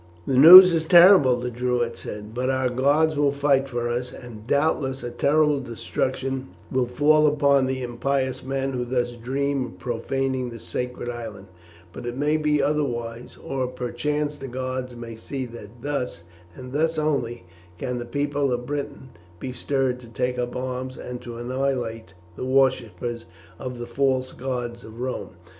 "The news is terrible," the Druid said, "but our gods will fight for us, and doubtless a terrible destruction will fall upon the impious men who thus dream of profaning the Sacred Island; but it may be otherwise, or perchance the gods may see that thus, and thus only, can the people of Britain be stirred to take up arms and to annihilate the worshippers of the false gods of Rome.